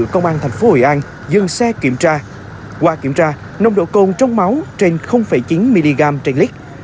công an thành phố hồi an dân xe kiểm tra qua kiểm tra nồng độ cồn trong máu trên chín mg trên lít